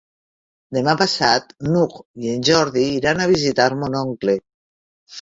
Demà passat n'Hug i en Jordi iran a visitar mon oncle.